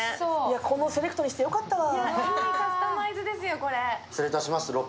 このセレクトにしてよかったわ。